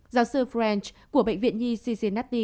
giáo sư french của bệnh viện nhi cincinnati